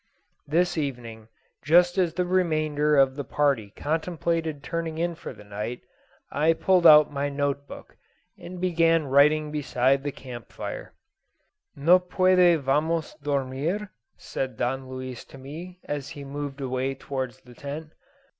This evening, just as the remainder of the party contemplated turning in for the night, I pulled out my note book, and began writing beside the camp fire. "¿No puede Vm. dormir?" said Don Luis to me, as he moved away towards the tent.